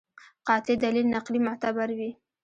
قاطع دلیل نقلي معتبر وي.